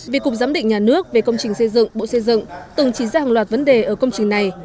vì cục giám định nhà nước về công trình xây dựng bộ xây dựng từng chỉ ra hàng loạt vấn đề ở công trình này